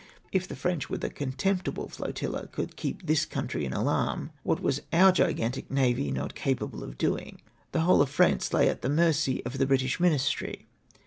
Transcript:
If the French, with a contemptible flotilla, could keep this country in alarm, what was our gigantic navy not capable of doing? The whole of France lay at the mercy of the British ministry.